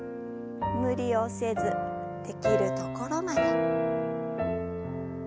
無理をせずできるところまで。